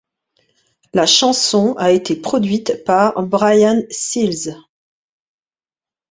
La chanson a été produite par Brian Seals.